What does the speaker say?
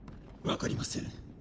わかりません。